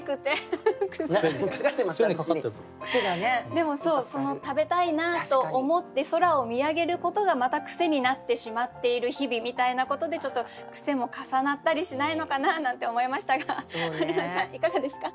でも食べたいなと思って空を見上げることがまたクセになってしまっている日々みたいなことでちょっとクセも重なったりしないのかななんて思いましたがはるなさんいかがですか？